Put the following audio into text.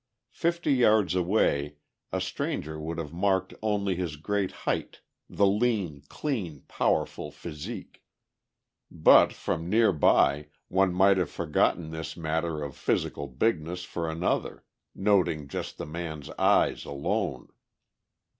Fifty yards away a stranger would have marked only his great height, the lean, clean, powerful physique. But from near by one might have forgotten this matter of physical bigness for another, noting just the man's eyes alone.